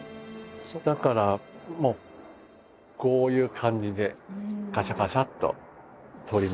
だからもうこういう感じでカシャカシャッと撮りますけど。